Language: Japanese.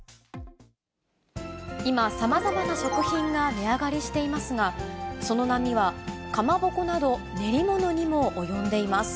今、さまざまな食品が値上がりしていますが、その波はかまぼこなど、練り物にも及んでいます。